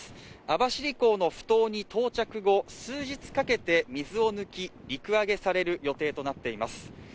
網走港のふ頭に到着後数時間かけて水を抜き陸揚げされる予定となっています